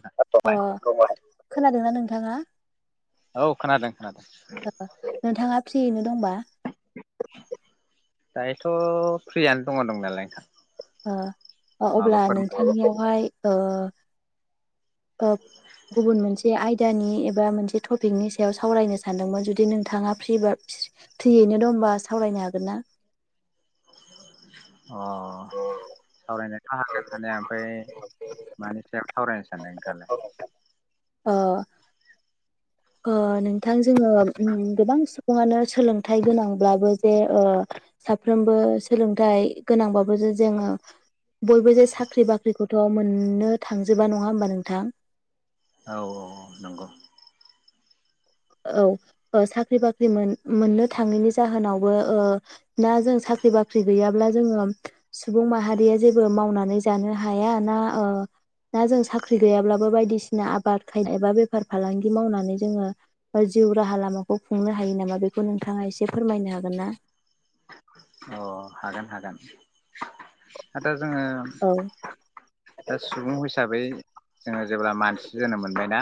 [inaudible] ओ‌ खोनादोंना नोंथाङा? औ खोनादों खोनादों नोंथाङा फ्रियैनो दंबा दायोथ फ्रियानो दङ दं नालाय नों ओ अब्ला ओ नोंथांनियावहाय ओ ओ गुबुन मोनसे आयदानि एबा मोनसे टपिकनि सायाव सावरायनो सानदोंमोन जुदि नोंथाङा फ्रि बा फ्रियैनो दंबा सावरायनो हागोन ना? अ सावरायनोथ हागोन हान ओमफ्राय मानि सायाव सावरायनो सानदों नोंथाङालाय अ नोंथां जोङो उम गोबां बिनो सोलोंथाइ गोनांब्लाबो जे ओ साफ्रोमबो सोलोंथाइ गोनांबाबो जे जोङो बयबो जे साख्रि बाख्रिखौथ मोननो थांजोबा नङा होमबा नोंथां। औ औ नंगौ औ ओ साख्रि-बाख्रि मोननो थाङैनि जाहोनावबो ओ ना जों साख्रि बाख्रि गैयाब्ला जोङो सुबुं माहारिया जेबो मावनानै जानो हाया ना ओ ना जों साख्रि गैयाब्लाबो बायदिसिना आबाद खाय एबा बेफार-फालांगि मावनानै जोङो बा जिउ राहा लामाखौ खुंनो हायो नामा बेखौ नोंथाङा एसे फोरमायनो हागोन ना? अ हागोन हागोन [unintelligible] जोङो औ दा सुबुं हिसाबै जोङो जेब्ला मानसि जोनोम मोनबायना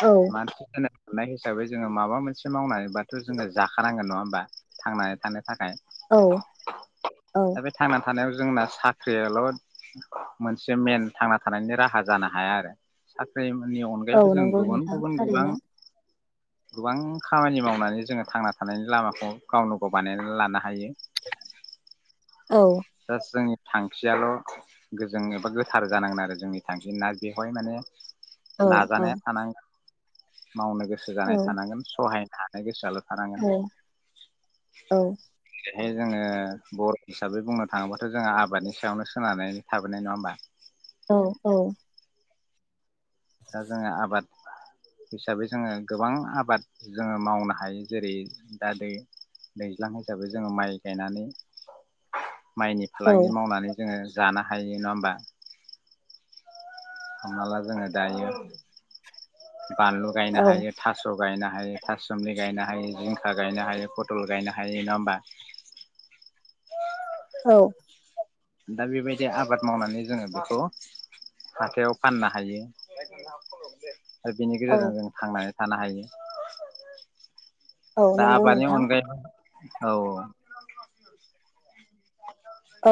औ मानसि मोननाय हिसाबै जोङो माबा मोनसे मावनाय- ब्लाबोथ जोङो जाखा नांगोन नङा होमबा बा थांनानै थानो थाखाय औ औ दा बे थांनानै थानायाव जोंना साख्रियाल मोनसे मेन थांना थानायनि राहा जानो हाया आरो साख्रि नि औ अनगायैबो जों नंगौ गुबुन नोंथां गुबुन गोबां थारैनो गोबां खामानि मावनानै जोङो थांना थानायनि लामाखौ गावनो गाव बानायनानै लानो हायो। औ लास्ट जोंनि थांखियाल गोजों एबा गोथार जानांगोन आरो जोंनि थांखि आ बेवहाय माने औ औ नाजानाया थानांगोन मावनो गोसो जानाय औ थानांगोन सहाय थानो गोसो जाला औ औ बेहाय जोङो बर हिसाबै बुंनो थाङोबाथ जोंहा आबादनि सायावनो सोनानै थाबोनाय नङा होमबा औ औ दा जोङो आबाद हिसाबै जोङो गोबां आबाद जोङो मावनो हायो जेरै दा दै दैज्लां हिसाबै जोङो माइ गायनानै माइनि फालांगि औ मावनानै जोङो जानो हायो नङा होमबा हमना ला जोङो दायो बानलु गायनो हायो थास गायनो हायो हायो थासुमलि गायनो हायो जिंखा गायनो हायो फटल गायनो हायो नङा होमबा औ दा बेबायदि आबाद मावनानै जोङो बेखौ हाथाययाव फाननो हायो आरो बेनि गेजेरजों औ जों थांनानै थानो हायो औ दा नंगौ आबादनि नोंथां अनगायै औ ओ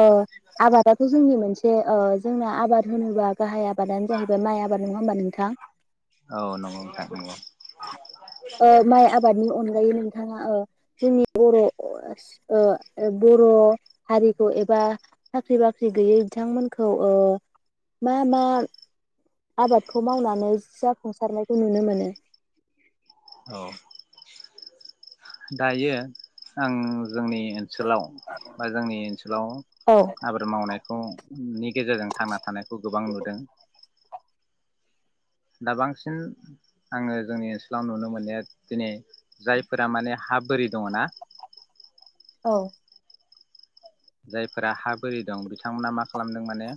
आबादाथ जोंनि मोनसे ओ जोंना आबाद होनोबा गाहाय आबादानो जाहैबाय माइ आबाद नङा होमबा नोंथां औ नंगौ नोंथां नंगौ ओ माइ आबादनि अनगायै नों बिथाङा जोंनि बर ओ बर हारिखौ एबा साख्रि बाख्रि गैयै बिथांमोनखौ मा मा आबादखौ मावनानै जा सुंसारनायखौ नुनो मोनो औ दायो आं जोंनि ओनसोलाव बा जोंनि ओनसोलाव औ आबाद मावनाय ओ उम गेजेरजों थांना थानायखौ गोबां नुदों दा बांसिन आङो जोंनि ओनसोलाव नुनो मोननाया दिनै जायफोरा माने हा बोरि दङ ना औ जायफोरा हा बोरि दं बिथांमोना मा खालामदों माने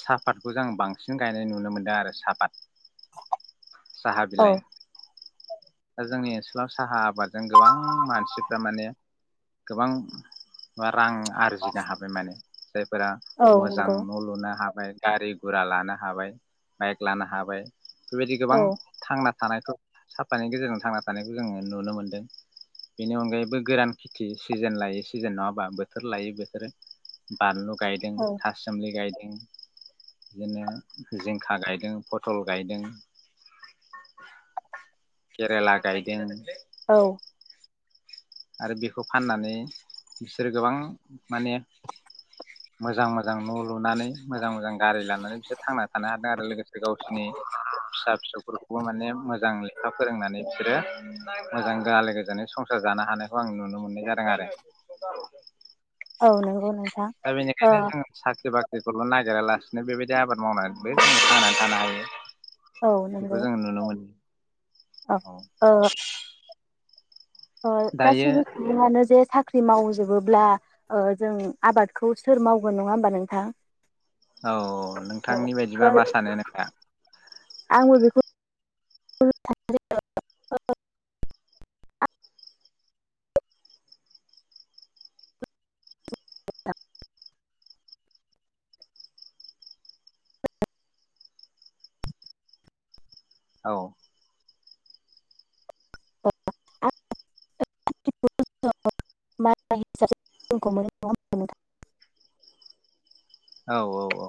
साहापतखौ जों बांसिन गायनाय नुनो मोनदों आरो साहापात साहा बिलाइ दा जोंनि ओनसोलाव साहा आबादजों गोबां मानसिफ्रा माने गोबां म रां आरजिनो हाबाय माने जायफोरा औ मोजां नंगौ न लुनो हाबा ओमफ्राय गारि गुरा लानो हाबाय, बाइक लानो हाबाय। बेबायदि गोबां औ थांना थानायखौ साब बिफानि गेजेरजों थांना थानायखौ जोङो नुनो मोनदों। बेनि अनगायैबो गोरान खेथि सिजेन लायै सिजेन नङाबा बोथोर लायै बोथोर बानलु गायदों, औ था सुमलि गायदों, बिदिनो जिंखा गायदों, पथल गायदों, केरेला गायदों, औ। आरो बेखौ फाननानै बिसोरो गोबां माने मोजां मोजां न लुनानै मोजां मोजां गारि लानानै बिसोर थांना थानो हादों आरो लोगोसे गावसोरनि फिसा फिसौफोरखौबो माने मोजांयै लेखा फोरोंनानै बिसोरो मोजां आलो गोजोनै संसार जानो हानाय खौ आं नुनो मोननाय जादों आरो। औ नंगौ नोंथा। ओ ख्रिखौल नागिरालासिनो बेबायदि आबाद मावनानैबो जों थांनानै थानो हायो बेखौ जों नुनो मोनो। अ औ। दायो गासैबो सुबुङानो जे साख्रि मावजोबोब्ला ओ जों आबादखौ सोर मावगोन नङा होनबा नोंथां? औ नोंथांनि बायदिबा मा सानो नोंथाङा? आंबो बेखौ [unintelligible] [unintelligible] औ। [unintelligible] औ औ औ।